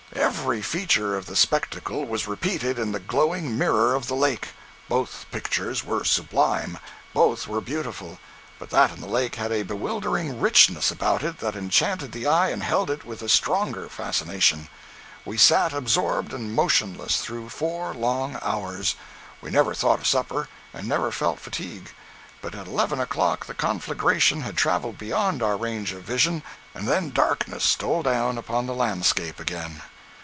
Every feature of the spectacle was repeated in the glowing mirror of the lake! Both pictures were sublime, both were beautiful; but that in the lake had a bewildering richness about it that enchanted the eye and held it with the stronger fascination. We sat absorbed and motionless through four long hours. We never thought of supper, and never felt fatigue. But at eleven o'clock the conflagration had traveled beyond our range of vision, and then darkness stole down upon the landscape again.